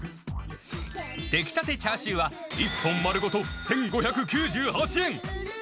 出来たてチャーシューは、１本丸ごと１５９８円。